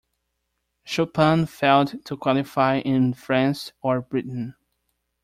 Schuppan failed to qualify in France or Britain.